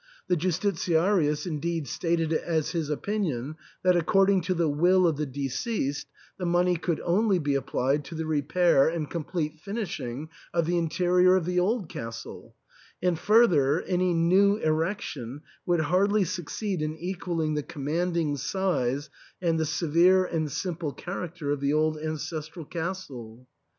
The Justitiarius indeed stated it as his opinion that, according to the will of the deceased, the money could only be applied to the repair and complete finishing of the interior of the old castle, and further, any new erection would hardly succeed in equalling the commanding size and the severe and simple character of the old ancestral castle.